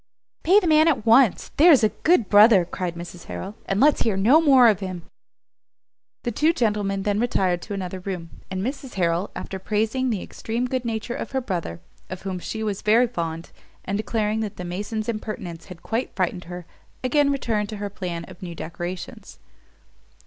"Pay the man at once, there's a good brother," cried Mrs Harrel, "and let's hear no more of him." The two gentlemen then retired to another room, and Mrs Harrel, after praising the extreme good nature of her brother, of whom she was very fond, and declaring that the mason's impertinence had quite frightened her, again returned to her plan of new decorations.